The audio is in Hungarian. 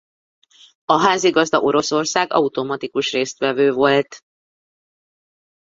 A házigazda Oroszország automatikus résztvevő volt.